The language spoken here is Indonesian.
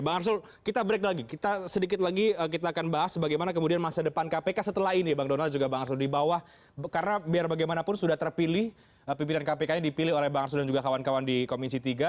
bang arsul kita break lagi kita sedikit lagi kita akan bahas bagaimana kemudian masa depan kpk setelah ini bang donald juga bang arsul di bawah karena biar bagaimanapun sudah terpilih pimpinan kpk yang dipilih oleh bang arsul dan juga kawan kawan di komisi tiga